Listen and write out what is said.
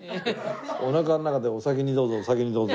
おなかの中でお先にどうぞお先にどうぞ。